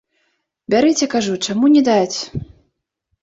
Бярыце, кажу, чаму не даць.